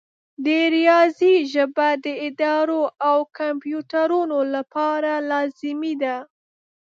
د ریاضي ژبه د ادارو او کمپیوټرونو لپاره لازمي ده.